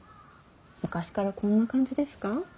昔からこんな感じですか。